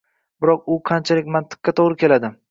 Biroq bu qanchalik mantiqqa to‘g‘ri keldi?